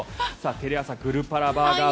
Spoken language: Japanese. テレアサ「グルパラバーガー」